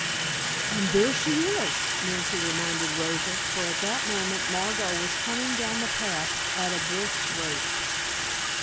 "And there she is," Nancy reminded Rosa, for at that moment Margot was coming down the path at a brisk rate.